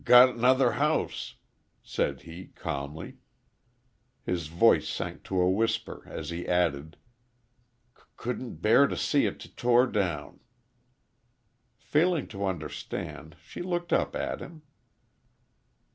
"G got 'nother house," said he, calmly. His voice sank to a whisper as he added, "Couldn't b bear t' see it t tore down." Failing to understand, she looked up at him.